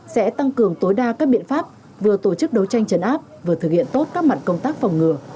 sẽ tăng cường tối đa các biện pháp vừa tổ chức đấu tranh chấn áp vừa thực hiện tốt các mặt công tác phòng ngừa